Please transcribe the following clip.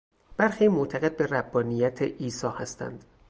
برخی معتقد به ربانیت عیسی هستند.